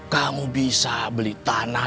kamu bisa beli tanah